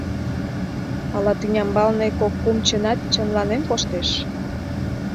Ала тӱнямбалне кок-кум чынат чынланен коштеш?